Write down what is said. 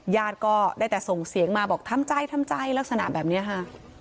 ญาติก็ได้แต่ส่งเสียงมาบอกทำใจทำใจลักษณะแบบนี้ค่ะ